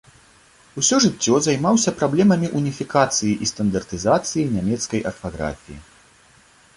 Усё жыццё займаўся праблемамі уніфікацыі і стандартызацыі нямецкай арфаграфіі.